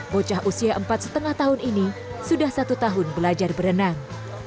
bocah usia empat lima tahun ini sudah satu tahun belajar berenang